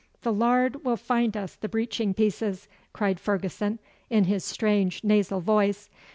'The Lard will find us the breaching pieces,' cried Ferguson, in his strange, nasal voice.